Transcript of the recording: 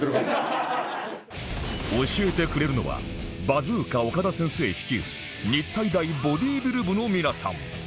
教えてくれるのはバズーカ岡田先生率いる日体大ボディビル部の皆さん